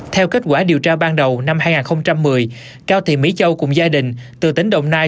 theo kết quả điều tra ban đầu năm hai nghìn một mươi cao thị mỹ châu cùng gia đình từ tỉnh đồng nai